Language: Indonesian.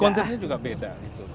container juga beda